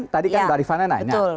tadi kan dari vanana